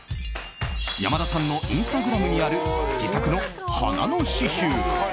山田さんのインスタグラムにある自作の花の刺しゅう。